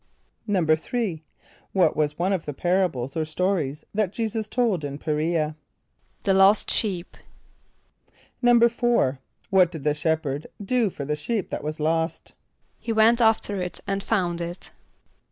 = =3.= What was one of the parables or stories that J[=e]´[s+]us told in P[+e] r[=e]´a? =The Lost Sheep.= =4.= What did the shepherd do for the sheep that was lost? =He went after it and found it.